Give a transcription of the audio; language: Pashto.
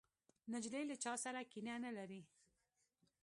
نجلۍ له چا سره کینه نه لري.